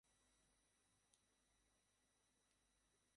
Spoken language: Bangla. রোলেক্স আমাকে মেরে ফেললে আমার কিছু আসে যায় না।